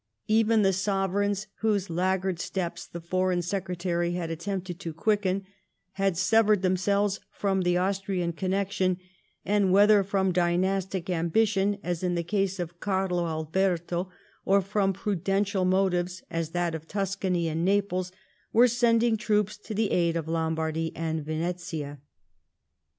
Even the sovereigns whose laggard steps the Foreign Secretary had attempted to quicken, had severed themselves from the Austrian connec tion; and whether from dynastic ambition as in the case of Carlo Alberto, or from prudential motives as Y that of Tuscany and Naples, were sending troops to the aid of Lombardy and Venetia.